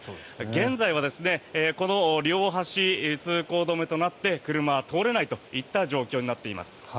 現在はこの両端通行止めとなって車は通れないといった状況になっています。